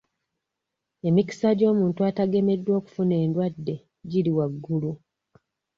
Emikisa gy'omuntu atagameddwa okufuna endwadde giri waggulu.